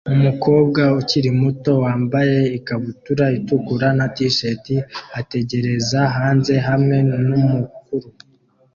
Umukobwa ukiri muto wambaye ikabutura itukura na t-shirt ategereza hanze hamwe numukuru